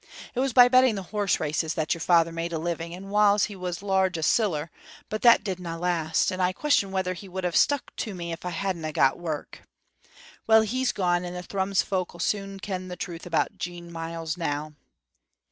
It was by betting at horseraces that your father made a living, and whiles he was large o' siller, but that didna last, and I question whether he would have stuck to me if I hadna got work. Well, he's gone, and the Thrums folk'll soon ken the truth about Jean Myles now."